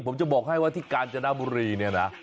ผมจะบอกให้ว่าที่กาญจนบุรีเนี่ยนะ